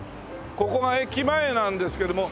ここが駅前なんですけども。